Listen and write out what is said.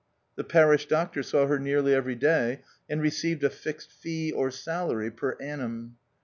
The parish doctor saw her nearly every day, and received a fixed fee or salary per annum.